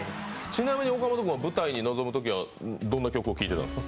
ちなみに岡本君は、舞台に臨むときにはどんな曲を聴いてたんですか？